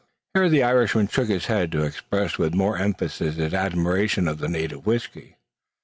Here the Irishman shook his head to express with more emphasis his admiration of the native whisky.